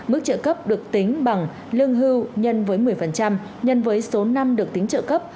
mức trợ cấp được tính bằng lương hưu nhân với một mươi nhân với số năm được tính trợ cấp